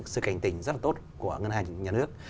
sự cảnh tỉnh rất là tốt của ngân hàng nhà nước